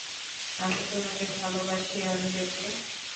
আমি তোমাকে ভালবাসি আঞ্জলি।